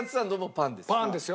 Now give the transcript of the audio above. パンですよ。